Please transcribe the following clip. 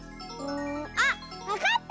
あっわかった！